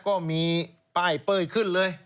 ก็มีป้ายเป้ยขึ้นเลย